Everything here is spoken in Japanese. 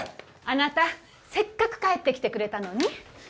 あなたせっかく帰ってきてくれたのに？